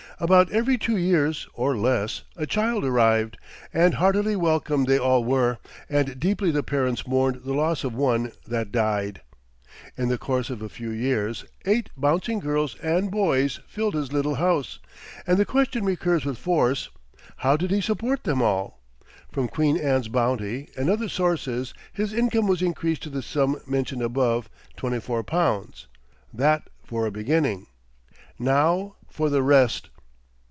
About every two years, or less, a child arrived; and heartily welcome they all were, and deeply the parents mourned the loss of one that died. In the course of a few years, eight bouncing girls and boys filled his little house; and the question recurs with force: How did he support them all? From Queen Anne's bounty, and other sources, his income was increased to the sum mentioned above, twenty four pounds. That for a beginning. Now for the rest.